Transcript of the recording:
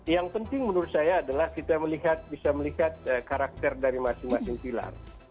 yang penting menurut saya adalah kita melihat bisa melihat karakter dari masing masing pilar